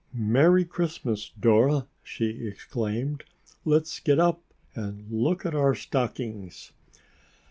"Merry Christmas, Dora!" she exclaimed. "Let's get up and look at our stockings."